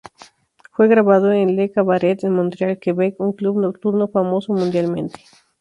Fue grabado en Le Cabaret en Montreal, Quebec, un club nocturno famoso mundialmente.